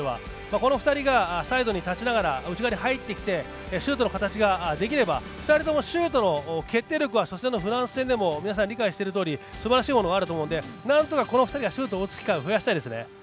その２人がサイドに立って内側に入ってきてシュートの形ができれば２人ともシュートの決定力は初戦のフランス戦でも皆さん、理解しているとおりすばらしいものがあるのでこの２人がシュートを打つ機会を増やしたいです。